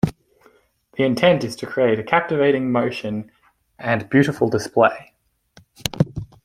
The intent is to create a captivating motion and beautiful display.